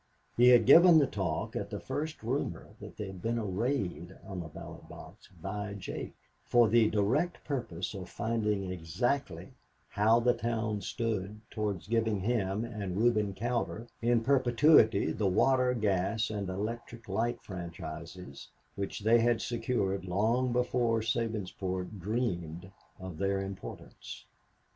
He had given the talk at the first rumor that there had been a raid on the ballot box by Jake, for the direct purpose of finding exactly how the town stood towards giving him and Reuben Cowder in perpetuity the water, gas and electric light franchises, which they had secured long before Sabinsport dreamed of their importance.